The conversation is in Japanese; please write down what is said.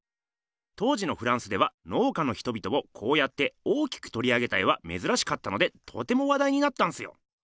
当時のフランスでは農家の人々をこうやって大きくとり上げた絵はめずらしかったのでとてもわだいになったんすよ。